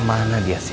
mana dia sih